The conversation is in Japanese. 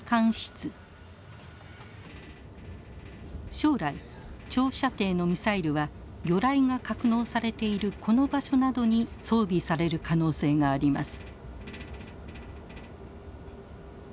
将来長射程のミサイルは魚雷が格納されているこの場所などに装備される可能性があります。